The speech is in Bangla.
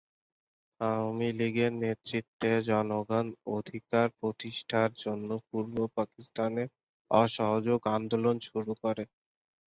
আওয়ামী লীগের নেতৃত্বে জনগণ অধিকার প্রতিষ্ঠার জন্য পূর্ব পাকিস্তানে অসহযোগ আন্দোলন শুরু করে।